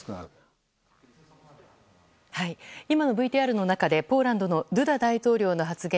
今のＶＴＲの中でポーランドのドゥダ大統領の発言